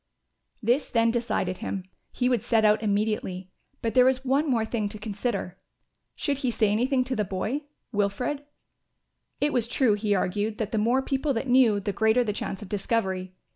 This then decided him. He would set out immediately; but there was one more thing to consider. Should he say anything to the boy, Wilfred? It was true, he argued, that the more people that knew, the greater the chance of discovery.